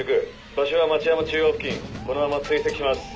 場所は町山中央付近このまま追跡します。